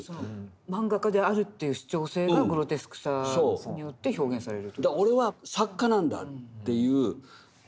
マンガ家であるっていう主張性がグロテスクさによって表現されるという事？